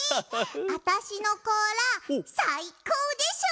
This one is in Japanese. あたしのこうらさいこうでしょう？